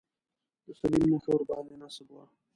د صلیب نښه ورباندې نصب وه.